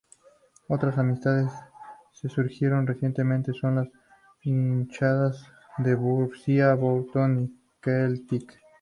Otras amistades que surgieron recientemente son con las hinchadas de Borussia Dortmund y Celtic.